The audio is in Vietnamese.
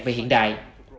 về hiện đại